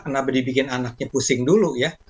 kenapa dibikin anaknya pusing dulu ya